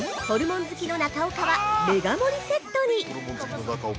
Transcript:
ホルモン好きの中岡はメガ盛りセットに。